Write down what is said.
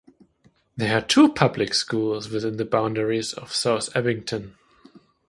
There are two public schools within the boundaries of South Abington.